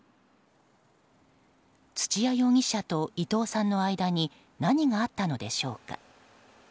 土屋容疑者と伊藤さんの間に何があったのでしょうか。